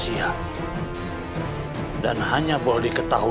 bisa gagal semua rejaku